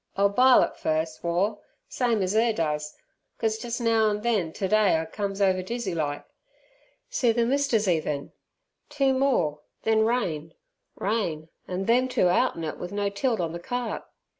"I'll bile it first, War, same as 'er does, cos jus' neow an' then t' day I comes over dizzy like. See th' mist t's even! Two more, then rain rain, an' them two out in it without no tilt on the cart."